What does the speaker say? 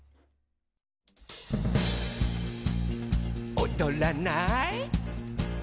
「おどらない？」